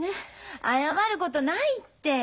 謝ることないって。